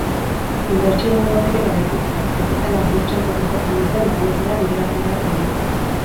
Inbertsio mugak ere badituzte, kapitala burtsan kotizatzen duten balioetara bideratu behar delako.